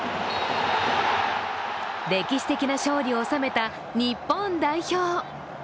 歴史的な勝利を収めた日本代表。